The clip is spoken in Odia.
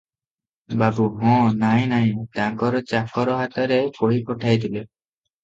ବାବୁ – ଓ ନାହିଁ ନାହିଁ, ତାଙ୍କର ଚାକର ହାତରେ କହି ପଠାଇଥିଲେ ।